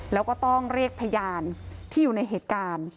แล้วก็ต้องเรียกพยานที่อยู่ในเหตุการณ์